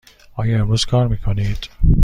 آیا امروز کار می کنید؟